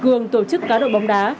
cường tổ chức cá đội bóng đá